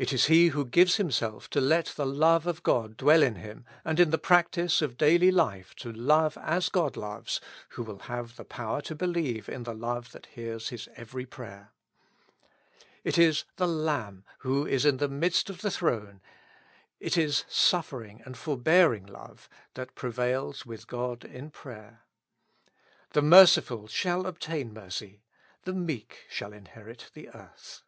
It is He who gives himself to let the love of God dwell in him, and in the practice of daily life to love as God loves, who will have the power to believe in the Love that hears his every prayer. It is 115 With Christ in the School of Prayer. the Lamb, who is in the midst of the throne ; it is suffering and forbearing love that prevails with God in prayer. The merciful shall obtain mercy ; the meek shall inherit the earth.